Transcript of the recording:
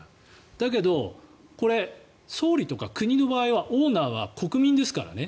だけど、これ総理とか国の場合はオーナーは国民ですからね。